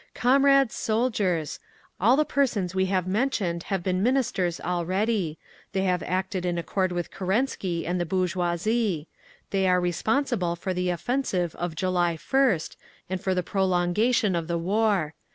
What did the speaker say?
"Comrades soldiers! All the persons we have mentioned have been Ministers already. They have acted in accord with Kerensky and the bourgeoisie. They are responsible for the offensive of July 1st and for the prolongation of the war.